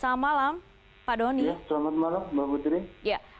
selamat malam mbak putri